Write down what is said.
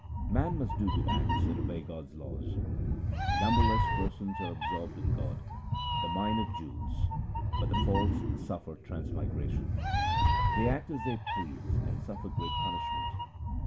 Man must do good acts and obey God's laws :— Numberless persons are absorbed in God, the Mine of jewels ; but the false suffer transmigration : They act as they please and suffer great punishment.